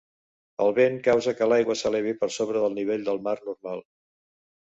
El vent causa que l'aigua s'elevi per sobre del nivell del mar normal.